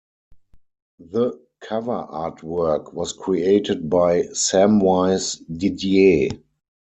The cover artwork was created by Samwise Didier.